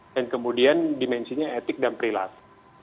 dan kemudian dimensinya etik dan perilaku